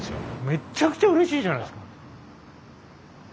めっちゃくちゃうれしいじゃないですか。